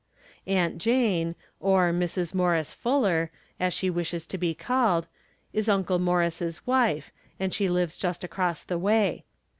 Aunt Jane, or, Mrs. Morris Fuller, as she wishes to be called, is Uncle Morris' wife, and she lives just across the way.